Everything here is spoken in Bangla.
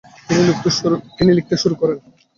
তিনি লিখতে শুরু করেন।